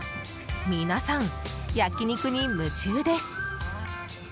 皆さん、焼き肉に夢中です。